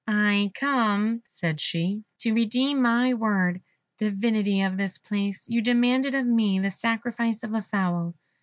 "I come," said she, "to redeem my word. Divinity of this place, you demanded of me the sacrifice of a fowl.